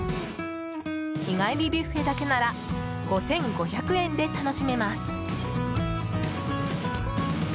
日帰りビュッフェだけなら５５００円で楽しめます。